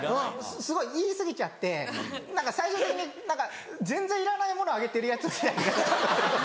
すごい言い過ぎちゃって何か最終的に何か全然いらないものあげてるヤツみたいになっちゃうんです。